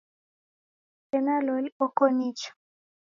Sena loli oko nicha?